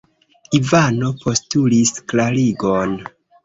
Ivano postulis klarigon.